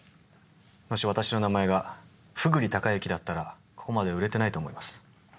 もし私の名前がふぐりたかゆきだったらここまで売れてないと思います。